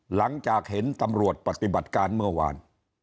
หลังจากเห็นตำรวจปฏิบัติการเมื่อวาน